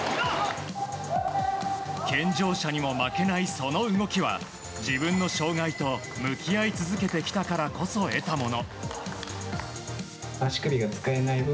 健常者にも負けない、その動きは自分の障害と向き合い続けてきたからこそ得たもの。